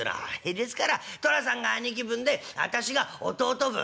「ですから寅さんが兄貴分であたしが弟分」。